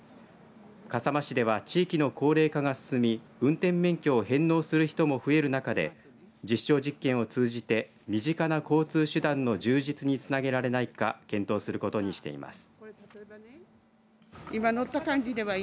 笠間市では地域の高齢化が進み運転免許を返納する人も増える中で実証実験を通じて身近な交通手段の充実につなげられないか検討することにしています。